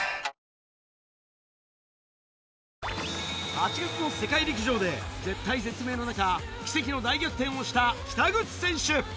８月の世界陸上で、絶体絶命の中、奇跡の大逆転をした北口選手。